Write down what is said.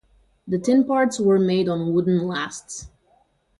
The tin parts were made on wooden lasts.